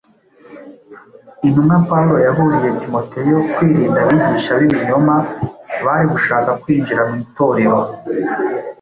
Intumwa Pawulo yaburiye Timoteyo kwirinda abigisha b’ibinyoma bari gushaka kwinjira mu Itorero.